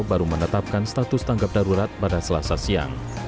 baru menetapkan status tanggap darurat pada selasa siang